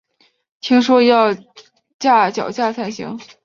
听说要架脚架才行